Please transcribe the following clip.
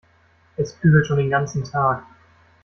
Es kübelt schon den ganzen Tag.